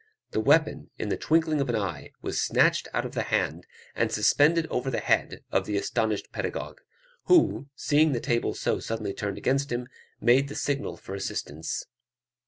The weapon, in the twinkling of an eye, was snatched out of the hand, and suspended over the head of the astonished pedagogue, who, seeing the tables so suddenly turned against him, made the signal for assistance.